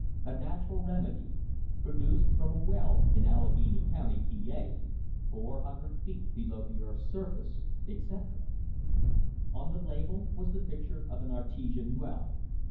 A natural Remedy; Produced from a well in Allegheny Co., Pa., four hundred feet below the earth's surface," etc. On the label was the picture of an artesian well.